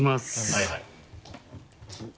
はいはい。